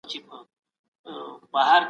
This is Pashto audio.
د کلاسیکانو دا نظر اوس سم نه دی.